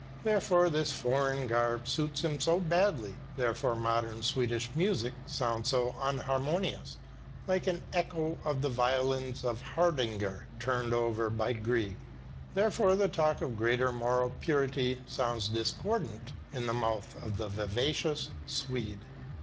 Therefore this foreign garb suits him so badly; therefore modern Swedish music sounds so unharmonious, like an echo of the violins of Hardanger, tuned over again by Grieg; therefore the talk of greater moral purity sounds discordant in the mouth of the vivacious Swede.